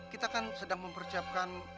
kita kan sedang memperiapkan